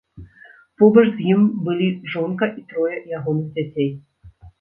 Побач з ім былі жонка і трое ягоных дзяцей.